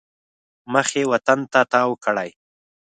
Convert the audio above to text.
مخ یې وطن ته تاو کړی.